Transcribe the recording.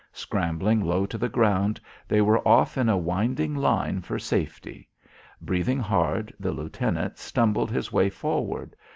Scrambling low to the ground, they were off in a winding line for safety. Breathing hard, the lieutenant stumbled his way forward.